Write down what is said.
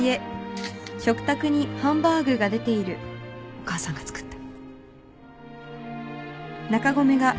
お母さんが作った。